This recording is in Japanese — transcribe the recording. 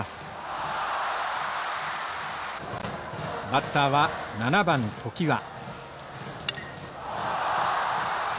バッターは７番常盤。